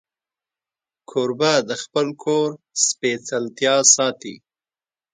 کوربه د خپل کور سپېڅلتیا ساتي.